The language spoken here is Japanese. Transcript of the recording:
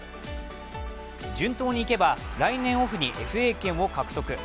順当にいけば、来年オフにＦＡ権を獲得。